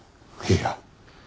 いや。